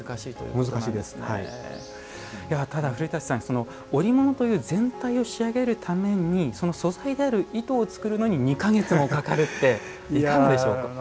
ただ、古舘さん織物という全体を仕上げるためにその素材である糸を作るのに２か月もかかるっていかがでしょうか。